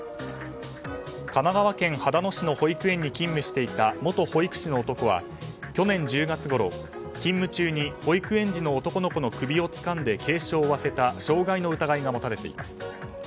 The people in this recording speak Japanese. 神奈川県秦野市の保育園に勤務していた元保育士の男は去年１０月ごろ勤務中に保育園児の男の子の首をつかんで軽傷を負わせた傷害の疑いが持たれています。